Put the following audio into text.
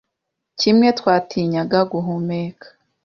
kimwe, twatinyaga guhumeka.